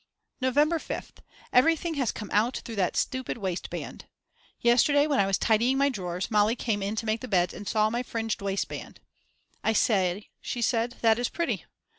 November 5th. Everything has come out through that stupid waist band. Yesterday when I was tidying my drawers Mali came in to make the beds and saw my fringed waistband. "I say, she said, that is pretty!"